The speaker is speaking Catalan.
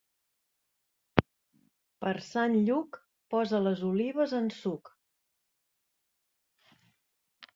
Per Sant Lluc, posa les olives en suc.